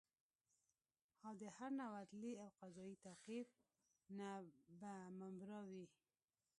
او د هر نوع عدلي او قضایي تعقیب نه به مبرا وي